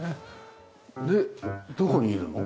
でどこにいるの？